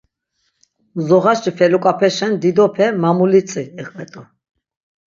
Mzoğaşi feluǩapeşen didope "mamulitzi" iqvet̆u.